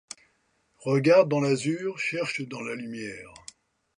Regarde dans l’azur, cherche dans la lumière